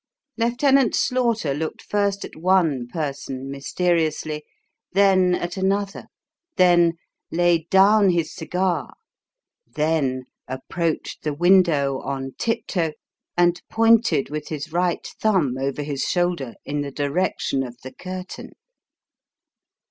Lieutenant Slaughter looked first at one person mysteriously, then at another : then, laid down his cigar, then approached the window on tiptoe, and pointed with his right thumb over his shoulder, in the direction of the curtain.